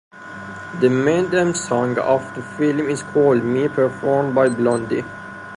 The main theme song of the film is "Call Me" performed by Blondie.